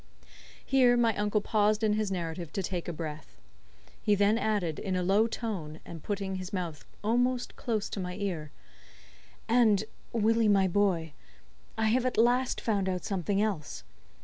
Here my uncle paused in his narrative to take breath. He then added, in a low tone, and putting his mouth almost close to my ear: "And, Willie, my boy, I have at last found out something else.